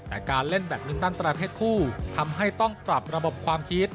แต่การเล่นแบบนึงด้านแต่ละเพศคู่ทำให้ต้องกลับระบบความคิด